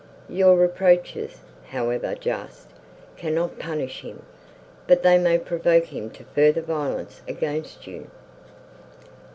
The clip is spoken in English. Your reproaches, however just, cannot punish him, but they may provoke him to further violence against you."